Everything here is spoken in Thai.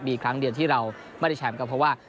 มีครั้งเดียวที่เราไม่ได้แชมป์ก็เพราะว่า